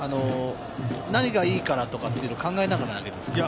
何がいいからというのを考えながらですか？